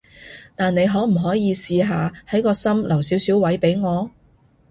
但你可唔可以試下喺個心留少少位畀我？